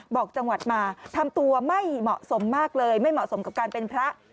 บอกจังหวัดมาทำตัวไม่เหมาะสมมากเลยไม่เหมาะสมกับการเป็นพระ